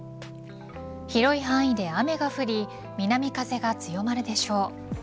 広い範囲で雨が降り南風が強まるでしょう。